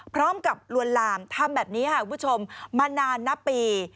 พร้อมกับลวนลามทำแบบนี้มานานนับปี